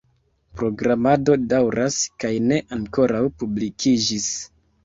Programado daŭras kaj ne ankoraŭ publikiĝis.